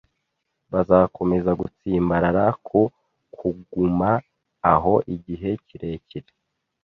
Bazakomeza gutsimbarara ku kuguma aho igihe kirekire.